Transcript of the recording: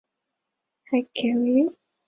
达维诺波利斯是巴西戈亚斯州的一个市镇。